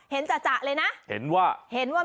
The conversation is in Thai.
เห็นจ่ะเลยนะเห็นว่า